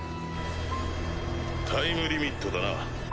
タイムリミットだな。